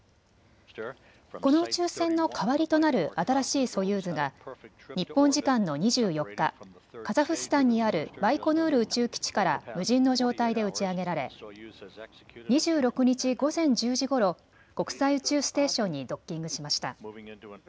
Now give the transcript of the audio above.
この宇宙船の代わりとなる新しいソユーズが日本時間の２４日、カザフスタンにあるバイコヌール宇宙基地から無人の状態で打ち上げられ２６日午前１０時ごろ、国際宇宙ステーションにドッキングしました。